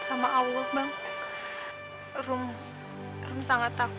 tapi bang rahmadi nggak bisa dapatin hati ru